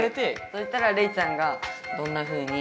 そしたらレイちゃんがどんなふうに。